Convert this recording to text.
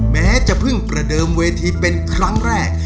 แม้จะเพิ่งประเดิมเวทีเป็นครั้งแรก